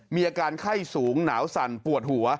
มีอาการไข้สูงหนาวสั่นปวดหัว